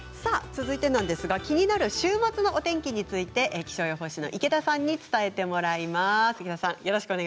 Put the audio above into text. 続いてなんですが気になる週末の天気について気象予報士の池田さんに伝えてもらいます。